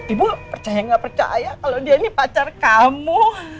ibu percaya nggak percaya kalau dia ini pacar kamu